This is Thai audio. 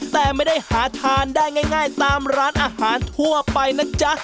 แต่ไม่ได้หาทานได้ง่ายตามร้านอาหารทั่วไปนะจ๊ะ